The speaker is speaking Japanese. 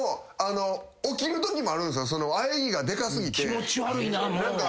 気持ち悪いなもう。